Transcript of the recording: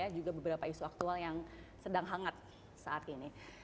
juga beberapa isu aktual yang sedang hangat saat ini